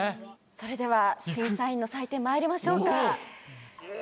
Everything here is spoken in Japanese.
それでは審査員の採点参りましょうか。